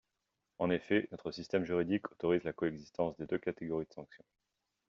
En effet, notre système juridique autorise la coexistence des deux catégories de sanctions.